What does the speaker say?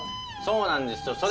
そうなんですよ。